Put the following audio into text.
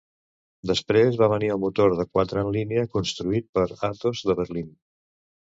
Després va venir el motor de quatre en línia construït per Atos de Berlín.